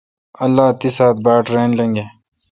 اللہ تی ساعت باٹ رل لنگہ۔